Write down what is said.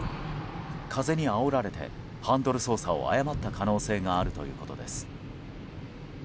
風にあおられてハンドル操作を誤った可能性があるということです。